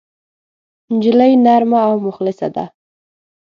نجلۍ نرمه او مخلصه ده.